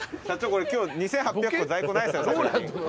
これ今日２，８００個在庫ないですか？